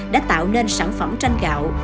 đã tạo nên sản phẩm tranh gạo